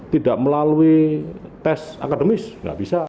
tidak melalui tes akademis nggak bisa